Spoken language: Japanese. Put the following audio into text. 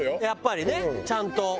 やっぱりねちゃんと。